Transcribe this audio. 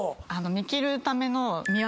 見切るための。